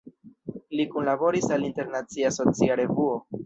Li kunlaboris al "Internacia Socia Revuo.